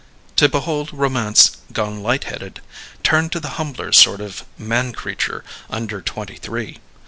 To behold romance gone light headed, turn to the humbler sort of man creature under twenty three.